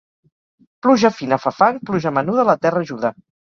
Pluja fina fa fang, pluja menuda, la terra ajuda.